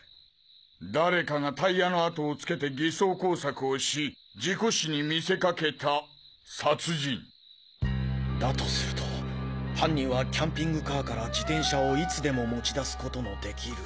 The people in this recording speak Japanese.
誰かがタイヤの跡を付けて偽装工作をし事故死に見せかけた殺人！だとすると犯人はキャンピングカーから自転車をいつでも持ち出すことのできる。